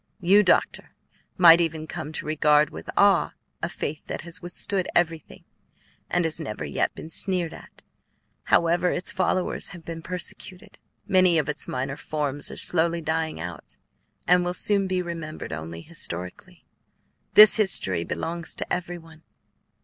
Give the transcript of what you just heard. You, Doctor, might even come to regard with awe a faith that has withstood everything and has never yet been sneered at, however its followers have been persecuted. Many of its minor forms are slowly dying out and will soon be remembered only historically; this history belongs to every one."